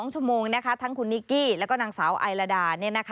๒ชั่วโมงทั้งคุณนิกกี้แล้วก็นางสาวไอลาดา